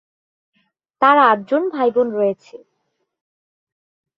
তার আটজন ভাইবোন রয়েছে।